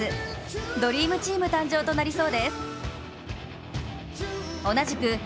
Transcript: ドリームチーム誕生となりそうです。